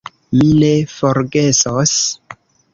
Mi ne forgesos.